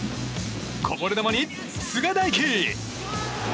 こぼれ球に菅大輝！